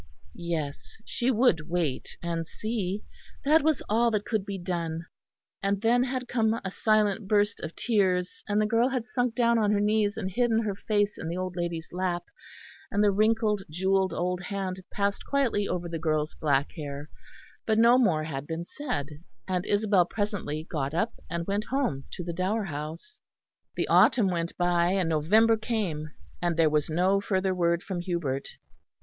Yes, she would wait and see; that was all that could be done. And then had come a silent burst of tears, and the girl had sunk down on her knees and hidden her face in the old lady's lap, and the wrinkled jewelled old hand passed quietly over the girl's black hair; but no more had been said, and Isabel presently got up and went home to the Dower House. The autumn went by, and November came, and there was no further word from Hubert.